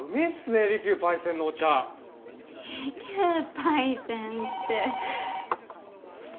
利休パイセンって。